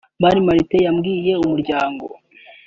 Mani Martin yabwiye Umuryango